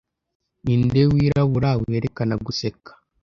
ninde wirabura werekana guseka